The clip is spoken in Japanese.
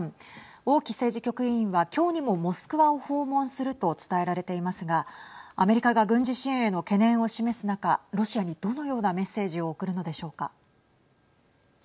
王毅政治局委員は今日にもモスクワを訪問すると伝えられていますがアメリカが軍事支援への懸念を示す中ロシアにどのようなメッセージを送るのでしょうか。